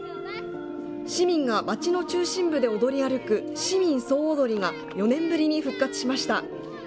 市民が街の中心部で踊り歩く市民総踊りが４年ぶりに復活しました。